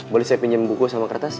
boleh saya pinjam buku sama kertas